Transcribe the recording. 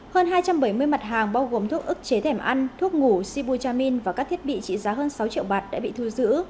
hơn hai trăm bảy mươi mặt hàng bao gồm thuốc ức chế thèm ăn thuốc ngủ sibujamin và các thiết bị trị giá hơn sáu triệu bạt đã bị thu giữ